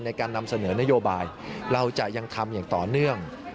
ในการนำเสนอนโยบายเราจะยังทำอย่างต่อเนื่อง